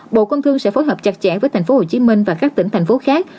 bộ công thương sẽ phối hợp chặt chẽ với thành phố hồ chí minh và các tỉnh thành phố khác